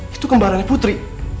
itu kembarannya putri